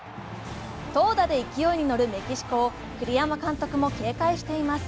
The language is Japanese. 投打で勢いに乗るメキシコを栗山監督も警戒しています。